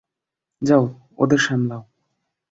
যাও ওদের সামলাও।